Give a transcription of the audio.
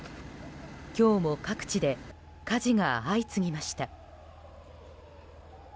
今日も各地で火事が相次ぎました。